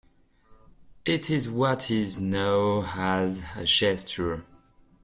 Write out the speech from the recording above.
It is what is known as a gesture.